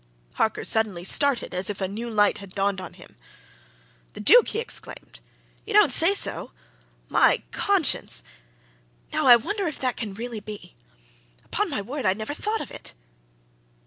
Harker suddenly started as if a new light had dawned on him. "The Duke!" he exclaimed. "You don't say so! My conscience! now, I wonder if that can really be? Upon my word, I'd never thought of it!"